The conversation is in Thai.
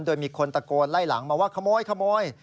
โดยมีคนตะโกนไล่หลังมาว่าขโมย